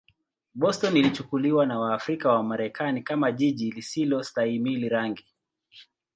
Boston ilichukuliwa na Waafrika-Wamarekani kama jiji lisilostahimili rangi.